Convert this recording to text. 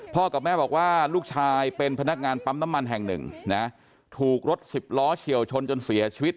กับแม่บอกว่าลูกชายเป็นพนักงานปั๊มน้ำมันแห่งหนึ่งนะถูกรถสิบล้อเฉียวชนจนเสียชีวิต